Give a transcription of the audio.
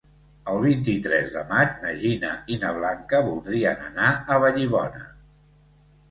El vint-i-tres de maig na Gina i na Blanca voldrien anar a Vallibona.